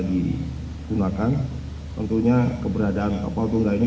digunakan tentunya keberadaan kapal tunggal ini